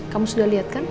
kamu sudah lihat kan